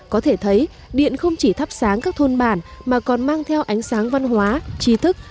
có thể thấy điện không chỉ thắp sáng các thôn bản mà còn mang theo ánh sáng văn hóa trí thức